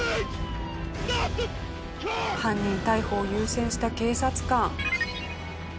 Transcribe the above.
犯人逮捕を優先した警察官。